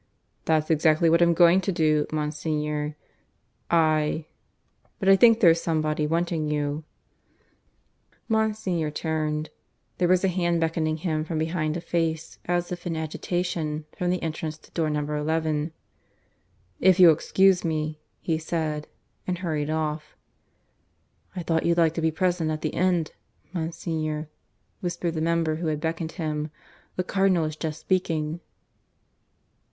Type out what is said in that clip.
"That's exactly what I'm going to do, Monsignor I but I think there's somebody wanting you." Monsignor turned. There was a hand beckoning him from behind a face, as if in agitation, from the entrance to door No. XI. "If you'll excuse me," he said, and hurried off. "I thought you'd like to be present at the end, Monsignor," whispered the member who had beckoned him. "The Cardinal is just speaking."